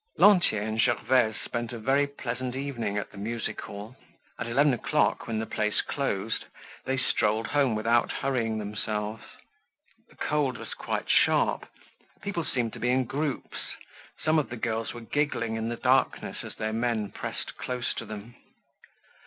Lantier and Gervaise spent a very pleasant evening at the music hall. At eleven o'clock when the place closed, they strolled home without hurrying themselves. The cold was quite sharp. People seemed to be in groups. Some of the girls were giggling in the darkness as their men pressed close to them.